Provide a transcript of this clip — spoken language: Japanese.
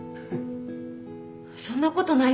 そんなことないですよ。